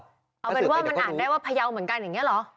เอาเป็นว่ามันอ่านได้ว่าพยาวเหมือนกันอย่างนี้เหรอ